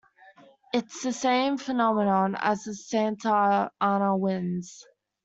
It is the same phenomenon as the Santa Ana winds.